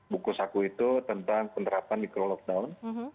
buku saku itu tentang penerapan micro lockdown